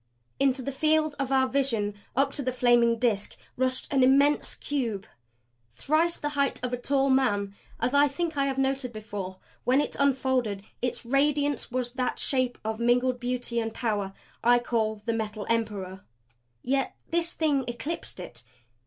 Into the field of our vision, up to the flaming Disk rushed an immense cube. Thrice the height of a tall man as I think I have noted before when it unfolded its radiance was that shape of mingled beauty and power I call the Metal Emperor. Yet this Thing eclipsed it.